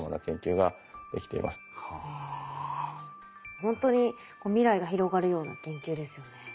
ほんとに未来が広がるような研究ですよね。